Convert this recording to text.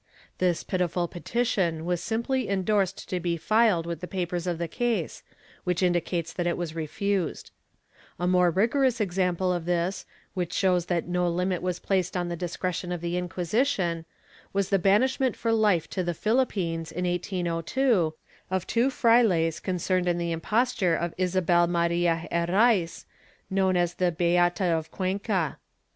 This pitiful petition was simply endorsed to be filed with the papers of the case, which indicates that it was refused/ A more rigorous example of this, which shows that no limit was placed on the discretion of the Inquisition, was the banishment for life to the Philippines, in 1802, of two frailes concerned in the imposture of Isabel Maria Herraiz, known as the Beata of Cuenca.